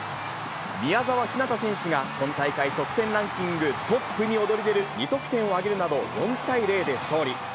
宮澤ひなた選手が今大会得点ランキングトップに躍り出る２得点を挙げるなど、４対０で勝利。